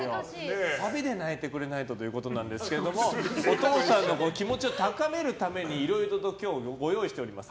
サビで泣いてくれないとなんですがお父さんの気持ちを高めるためにいろいろ今日はご用意しております。